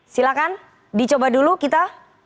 silakan dicoba dulu kita